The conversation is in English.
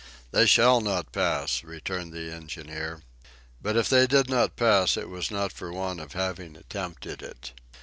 "They shall not pass!" returned the engineer. But if they did not pass it was not for want of having attempted it.